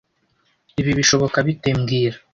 Ibi bishoboka bite mbwira